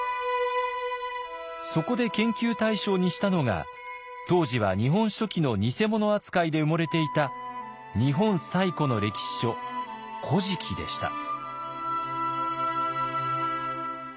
そこで研究対象にしたのが当時は「日本書紀」の偽物扱いで埋もれていた日本最古の歴史書「古事記」でした。